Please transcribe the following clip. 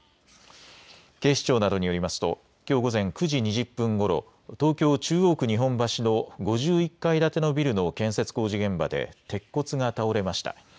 警視庁などによりますときょう午前９時２０分ごろ東京中央区日本橋の５１階建てのビルの建設工事現場で鉄骨が倒れました。